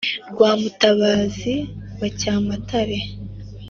Rwa Mutabazi wa Cyamatare ,